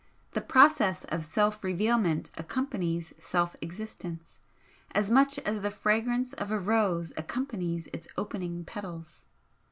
The process of self revealment accompanies self existence, as much as the fragrance of a rose accompanies its opening petals.